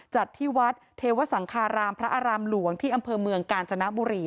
จัดที่วัดเทวสังคารามพระอารามหลวงที่อำเภอเมืองกาญจนบุรี